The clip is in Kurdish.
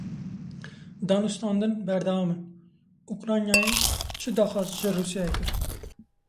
Danûstandin berdewam in; Ukraynayê çi daxwaz ji Rûsyayê kir?